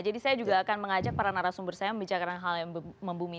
jadi saya juga akan mengajak para narasumber saya membicarakan hal yang membumi